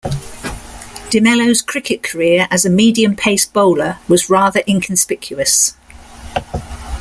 De Mello's cricket career as a medium pace bowler was rather inconspicuous.